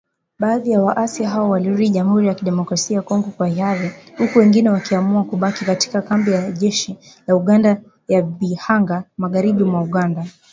Baadhi ya waasi hao walirudi Jamhuri ya Kidemokrasia ya Kongo kwa hiari, huku wengine wakiamua kubaki katika kambi ya jeshi la Uganda ya Bihanga, magharibi mwa Uganda